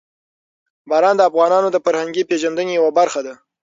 باران د افغانانو د فرهنګي پیژندنې یوه برخه ده.